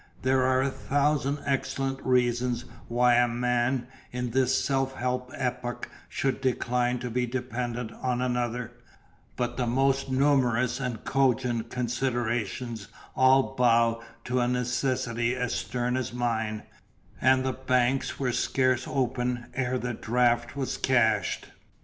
There are a thousand excellent reasons why a man, in this self helpful epoch, should decline to be dependent on another; but the most numerous and cogent considerations all bow to a necessity as stern as mine; and the banks were scarce open ere the draft was cashed.